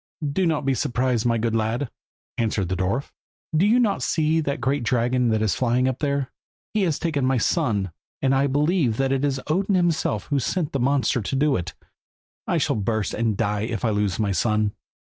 "Do not be surprised, my good lad," answered the dwarf, "do you not see that great dragon that is flying up there? He has taken off my son, and I believe that it is Odin himself that has sent the monster to do it. I shall burst and die if I lose my son."